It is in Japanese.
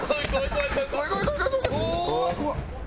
怖っ！